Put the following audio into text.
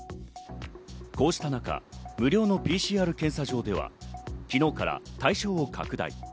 こうした中、無料のＰＣＲ検査場では昨日から対象を拡大。